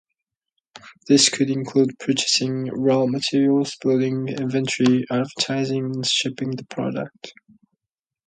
This could include purchasing raw materials, building inventory, advertising, and shipping the product.